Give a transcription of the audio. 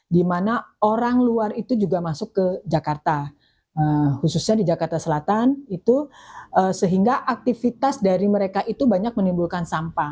dimana orang luar itu juga masuk ke jakarta khususnya di jakarta selatan itu sehingga aktivitas dari mereka itu banyak menimbulkan sampah